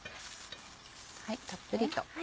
たっぷりと。